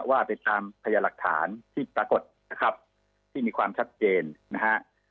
ว่าไปตามพยาหลักฐานที่ปรากฏนะครับที่มีความชัดเจนนะฮะ